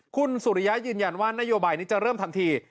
คุณสุริยะยืนยันว่านโยบายนี้จะเริ่มทันที